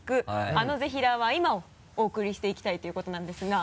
「あのぜひらーは今」をお送りしていきたいということなんですが。